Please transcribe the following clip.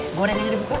eh gorengnya di buku